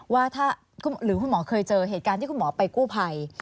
หรือคุณหมอเคยเจอเหตุการณ์ที่คุณหมอไปกู้ภัย